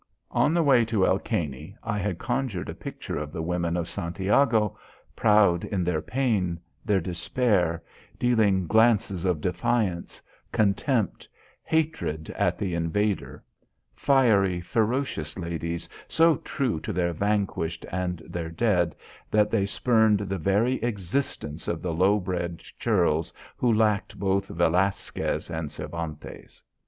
On the way to El Caney I had conjured a picture of the women of Santiago, proud in their pain, their despair, dealing glances of defiance, contempt, hatred at the invader; fiery ferocious ladies, so true to their vanquished and to their dead that they spurned the very existence of the low bred churls who lacked both Velasquez and Cervantes.